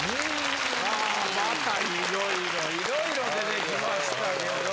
またいろいろ、いろいろ出てきましたけど。